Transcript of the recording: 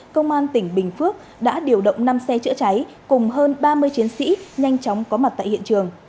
công an tỉnh bình phước đã điều động năm xe chữa cháy cùng hơn ba mươi chiến sĩ nhanh chóng có mặt tại hiện trường